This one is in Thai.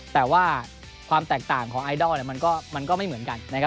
แต่ว่าความแตกต่างของไอดอลมันก็ไม่เหมือนกันนะครับ